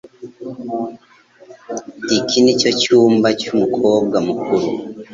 Iki nicyo cyumba cy' umukobwa mukuru